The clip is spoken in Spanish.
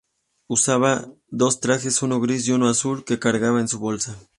Usaba dos trajes, uno gris y uno azul, que cargaba en su bolsa.